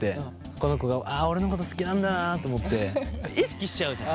この子俺のこと好きなんだなと思って意識しちゃうじゃん？